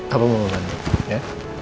apa mama bantu ya